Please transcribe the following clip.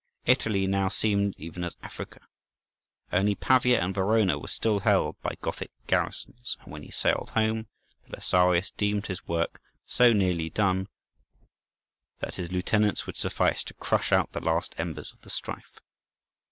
Italy now seemed even as Africa; only Pavia and Verona were still held by Gothic garrisons, and when he sailed home, Belisarius deemed his work so nearly done, that his lieutenants would suffice to crush out the last embers of the strife.